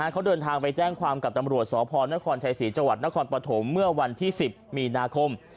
เขาเดินทางไปแจ้งความกับตำรวจสพนครชัยศรีจังหวัดนครปฐมเมื่อวันที่๑๐มีนาคม